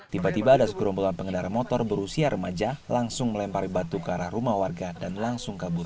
tiba tiba ada sekerombolan pengendara motor berusia remaja langsung melempari batu ke arah rumah warga dan langsung kabur